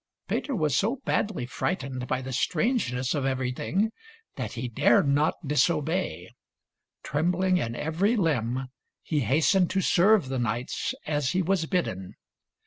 Peter was so badly frightened by the strangeness of every thing that he dared not disobey. Trembling in every limb, he hastened to serve the knights as he was bidden.